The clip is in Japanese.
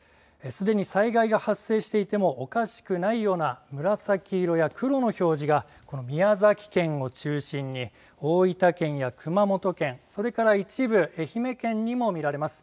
すでに災害が発生していてもおかしくないような紫色や黒の表示が宮崎県を中心に大分県や熊本県それから一部、愛媛県にも見られます。